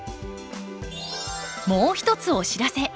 もう一つお知らせ。